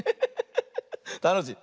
たのしい。